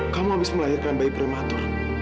kamu habis melahirkan bayi prematur